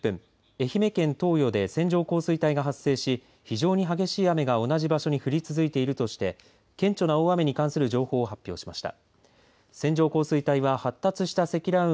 愛媛県東予で線状降水帯が発生し非常に激しい雨が同じ場所に降り続いているとして顕著な大雨に関する情報を発表しました。